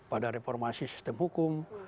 pada sistem hukum